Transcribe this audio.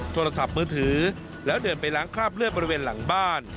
โทรศัพท์มือถือแล้วเดินไปล้างคราบเลือดบริเวณหลังบ้าน